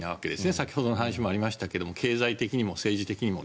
先ほどの話にもありましたが経済的にも政治的にも。